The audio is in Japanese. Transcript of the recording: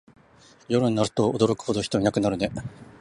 夜になると驚くほど人いなくなるね